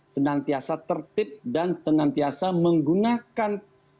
senantiasa tertib dan senantiasa menggunakan